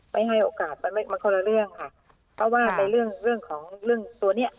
ให้โอกาสมันคนละเรื่องค่ะเพราะว่าในเรื่องของเรื่องตัวเนี้ย